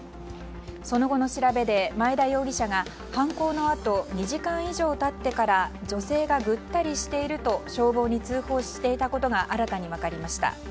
その後の調べで、前田容疑者が犯行のあと２時間以上経ってから女性がぐったりしていると消防に通報していたことが新たに分かりました。